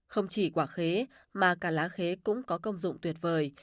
không chỉ quả khế mà cả lá khế cũng có công dụng tuyệt vời